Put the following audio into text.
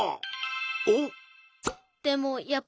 おっ！